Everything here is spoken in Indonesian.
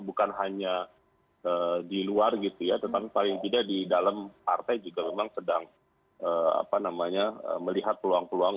bukan hanya di luar gitu ya tetapi paling tidak di dalam partai juga memang sedang melihat peluang peluang